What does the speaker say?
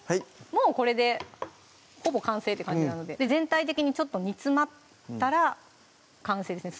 もうこれでほぼ完成って感じなので全体的にちょっと煮詰まったら完成ですね